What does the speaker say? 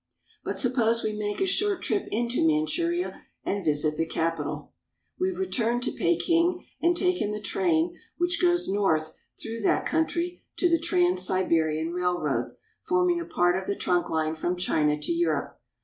But suppose we make a short trip into Manchuria and visit the capital. We have returned to Peking and taken the train which goes north through that country to the Trans Siberian Railroad, forming a part of the trunk Hne from China to Europe.